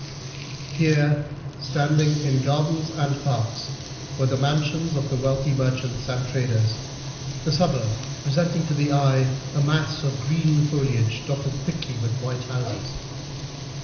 Here, standing in gardens and parks, were the mansions of the wealthy merchants and traders, the suburb presenting to the eye a mass of green foliage dotted thickly with white houses.